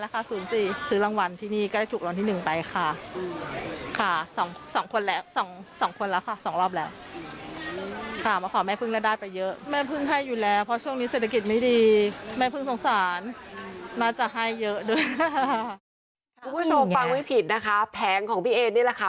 คุณผู้ชมฟังไม่ผิดนะคะแผงของพี่เอนี่แหละค่ะ